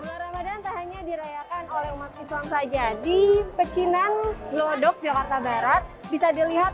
bulan ramadhan tak hanya dirayakan oleh umat islam saja di pecinan lodok jakarta barat bisa dilihat